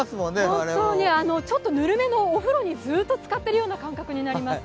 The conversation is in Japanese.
本当にちょっとぬるめのお風呂にずっとつかっているような感覚になります。